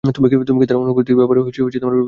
তুমি কি তার অনুভূতির ব্যাপারে ভেবে দেখেছো?